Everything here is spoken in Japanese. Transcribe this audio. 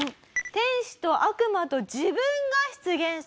天使と悪魔と自分が出現する。